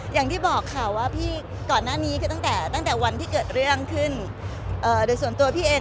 อย่างที่บอกค่ะว่าก่อนหน้านี้ตั้งแต่วันที่เกิดเรื่องขึ้นส่วนตัวพี่เอง